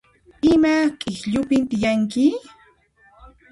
Ima k'ikllupin tiyanki?